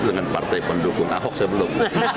dengan partai pendukung ahok saya belum